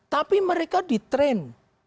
tapi mereka di train